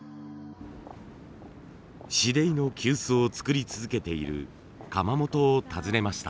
紫泥の急須を作り続けている窯元を訪ねました。